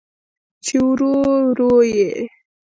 چې ورو، ورو یې